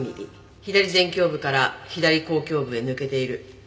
左前胸部から左後胸部へ抜けている。